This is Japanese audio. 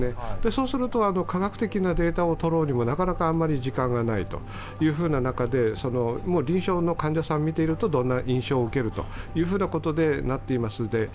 そうすると、科学的なデータを取ろうにも、なかなかあまり時間がないという中で、もう臨床の患者さんを診ているとどんな印象を受けるということになっています。